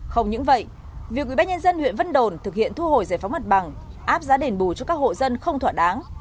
không những vậy việc quý bác nhân dân huyện văn đồn thực hiện thu hồi giải phóng mặt bằng áp giá đền bù cho các hộ dân không thỏa đáng